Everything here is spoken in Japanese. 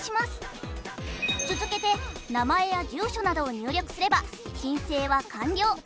続けて名前や住所などを入力すれば申請は完了。